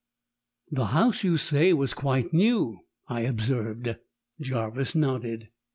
"The house, you say, was quite new," I observed. Jarvis nodded.